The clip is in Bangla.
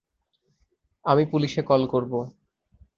আমি পুলিশে কল করব।